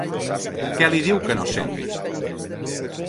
Què li diu que no senti?